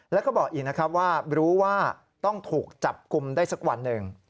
แล้วก็บอกอีกนะครับว่ารู้ว่าต้องถูกจับกลุ่มได้สักวันหนึ่ง